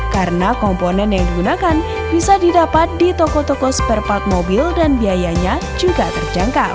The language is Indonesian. karena komponen yang digunakan bisa didapat di toko toko spare part mobil dan biayanya juga terjangkau